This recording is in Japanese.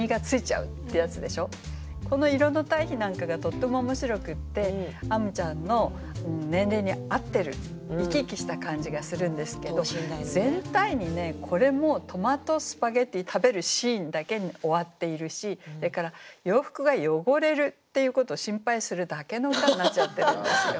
この色の対比なんかがとっても面白くってあむちゃんの年齢に合ってる生き生きした感じがするんですけど全体にねこれもトマトスパゲッティ食べるシーンだけに終わっているしそれから洋服が汚れるっていうことを心配するだけの歌になっちゃってるんですよ。